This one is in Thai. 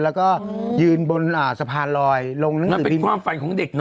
แล้วก็ยืนบนสะพานลอยลงนังสือพิมพ์นั่นเป็นความฝันของเด็กเนอะ